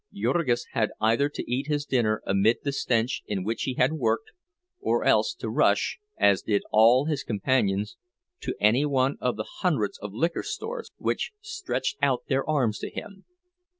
Jurgis had either to eat his dinner amid the stench in which he had worked, or else to rush, as did all his companions, to any one of the hundreds of liquor stores which stretched out their arms to him.